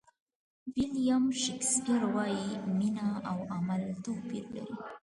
ویلیام شکسپیر وایي مینه او عمل توپیر لري.